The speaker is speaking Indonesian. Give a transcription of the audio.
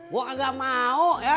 gue agak mau ya